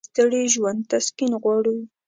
مړه ته د ستړي ژوند تسکین غواړو